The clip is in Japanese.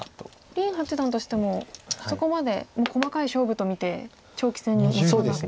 林八段としてもそこまで細かい勝負と見て長期戦に持ち込んだわけですね。